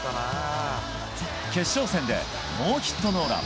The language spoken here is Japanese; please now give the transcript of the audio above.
決勝戦でノーヒットノーラン。